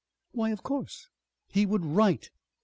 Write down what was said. Why, of course! He would write.